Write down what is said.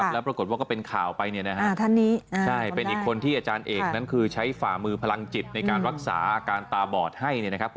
แล้วปรากฏว่าก็เป็นข่าวไปเนี่ยนะฮะเป็นอีกคนที่อาจารย์เอกนั้นคือใช้ฝ่ามือพลังจิตในการรักษาอาการตาบอดให้เนี่ยนะครับ